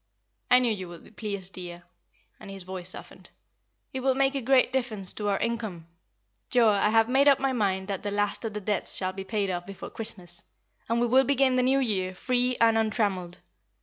"I knew you would be pleased, dear;" and his voice softened. "It will make a great difference to our income. Joa, I have made up my mind that the last of the debts shall be paid off before Christmas, and we will begin the New Year free and untrammelled.